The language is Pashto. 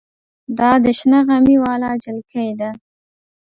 دا د شنه غمي واله جلکۍ ده.